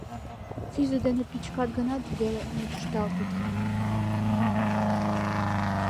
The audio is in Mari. Кӱзӧ дене пӱчкат гынак веле мучышталтыт.